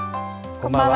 こんばんは。